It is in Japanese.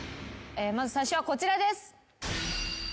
まず最初はこちらです。